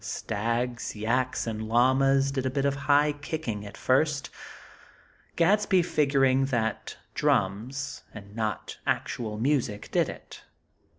Stags, yaks and llamas did a bit of high kicking at first; Gadsby figuring that drums, and not actual music, did it.